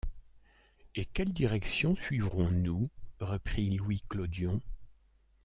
Et quelle direction suivrons-nous ?… reprit Louis Clodion.